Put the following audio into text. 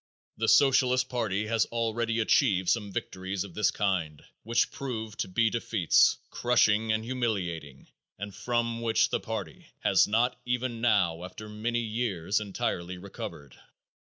The Socialist party has already achieved some victories of this kind which proved to be defeats, crushing and humiliating, and from which the party has not even now, after many years, entirely recovered.